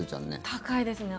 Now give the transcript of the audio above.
高いですね。